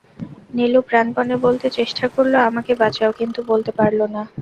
নীলু প্রাণপণে বলতে চেষ্টা করল, আমাকে বাঁচাও, কিন্তু বলতে পারল না।